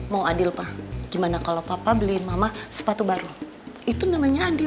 mau adil pak gimana kalau papa beliin mama sepatu baru itu namanya adil